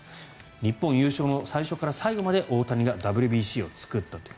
日本優勝の最初から最後まで大谷がＷＢＣを作ったという。